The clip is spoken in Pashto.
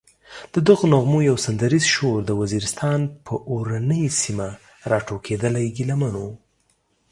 ددغو نغمو یو سندریز شور د وزیرستان پر اورنۍ سیمه راټوکېدلی ګیله من و.